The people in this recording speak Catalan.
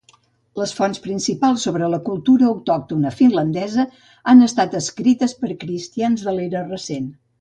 Les fonts principals sobre la cultura autòctona finlandesa han estat escrites per cristians de l'era recent.